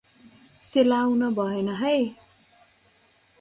सेलाउन भएन है ।